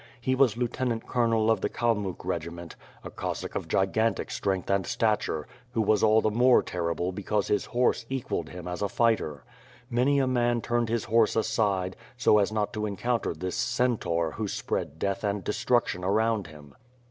He was lieutenant colonel of the Calmiick regi ment; a Cossack of gigantic strength and stature, who was all the more terrible because his horse equalled him as a fighter. Many a man turned his horse aside, so as not to encounter this centaur who spread death and destruction around him.